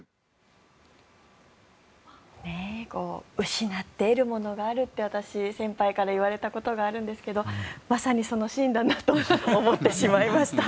失って得るものがあるって私、先輩から言われたことがあるんですがまさにそのシーンだなと思ってしまいました。